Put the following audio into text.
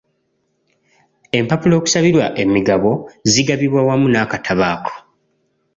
Empapula okusabirwa emigabo zigabibwa wamu n'akatabo ako.